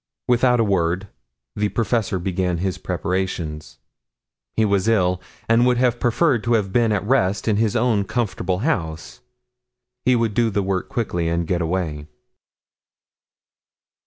Without a word the professor began his preparations. He was ill, and would have preferred to have been at rest in his own comfortable house. He would do the work quickly and get away.